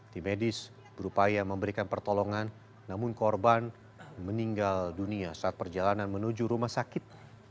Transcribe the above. tim medis berupaya memberikan pertolongan namun korban meninggal dunia saat perjalanan menuju rumah sakit